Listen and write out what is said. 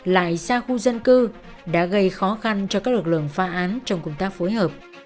lại xa khu dân cư đã gây khó khăn cho các lực lượng phá án trong công tác phối hợp